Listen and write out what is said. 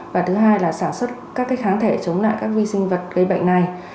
và thứ hai là sản xuất các kháng thể chống lại các vi sinh vật gây bệnh này